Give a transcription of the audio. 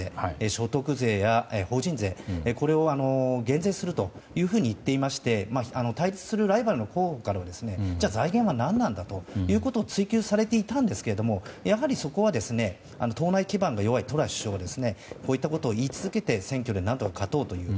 所得税や法人税を減税すると言っていまして対立するライバルの候補から財源は何だと追及されていたんですがやはり、そこは党内基盤が弱いトラス首相がこういったことを言い続けて選挙で何とか勝とうという。